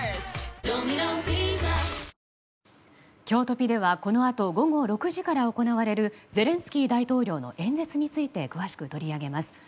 きょうトピではこのあと午後６時から行われる、ゼレンスキー大統領の演説について詳しく取り上げます。